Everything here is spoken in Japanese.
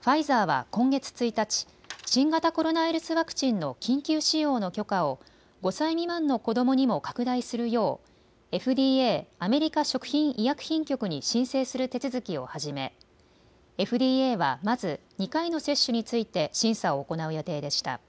ファイザーは今月１日、新型コロナウイルスワクチンの緊急使用の許可を５歳未満の子どもにも拡大するようＦＤＡ・アメリカ食品医薬品局に申請する手続きを始めＦＤＡはまず２回の接種について審査を行う予定でした。